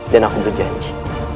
dan aku berjanji